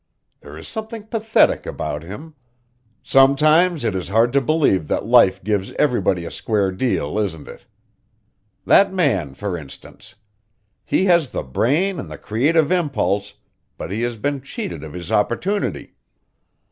There is something pathetic about him. Sometimes it is hard to believe that life gives everybody a square deal, isn't it? That man, for instance. He has the brain and the creative impulse, but he has been cheated of his opportunity.